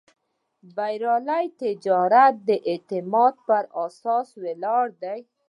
بریالی تجارت د اعتماد پر اساس ولاړ دی.